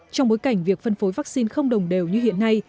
trong bối cảnh việc phân phối vaccine không đồng đều như hiện nay